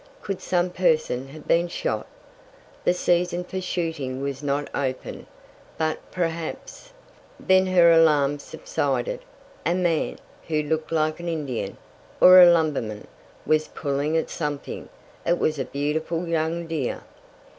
Could some person have been shot? The season for shooting was not opened, but perhaps Then her alarm subsided. A man, who looked like an Indian, or a lumberman, was pulling at something it was a beautiful young deer!